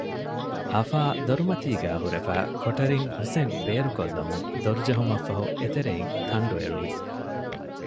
އަފާ ދޮރުމަތީގައި ހުރެފައި ކޮޓަރިން ހުސެން ބޭރުކޮށްލަމުން ދޮރުޖެހުމަށްފަހު އެތެރެއިން ތަންޑު އެޅުވި